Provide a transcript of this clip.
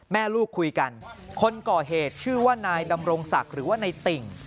แม่ลูกคุยกันคนก่อเหตุชื่อว่านายดำรงศักดิ์หรือว่าในติ่ง